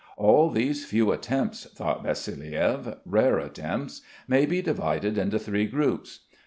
All these few attempts, thought Vassiliev, rare attempts, may be divided into three groups.